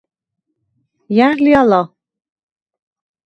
ჲა̈რ ლი ალა?